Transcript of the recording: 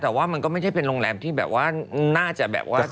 แต่ว่ามันก็ไม่ใช่เป็นโรงแรมที่แบบว่าน่าจะแบบว่า